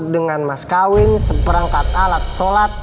dengan mas kawin seperangkat alat sholat